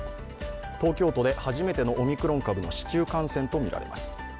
東京都で初めてのオミクロン株の市中感染とみられます。